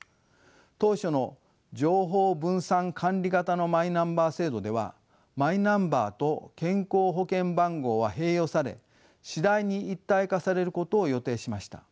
当初の情報分散管理型のマイナンバー制度ではマイナンバーと健康保険番号は併用され次第に一体化されることを予定しました。